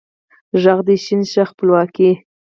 ږغ د ې شین شه خپلواکۍ